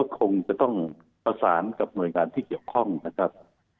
คงจะต้องประสานกับหน่วยงานที่เกี่ยวข้องนะครับ